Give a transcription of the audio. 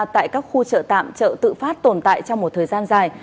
tại các khu chợ tạm chợ tự phát tồn tại trong một thời gian dài